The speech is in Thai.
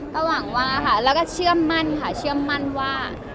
ก็หวังว่าค่ะแล้วก็เชื่อมั่นค่ะเชื่อมั่นว่า